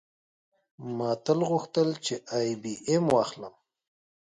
ما تل غوښتل چې آی بي ایم واخلم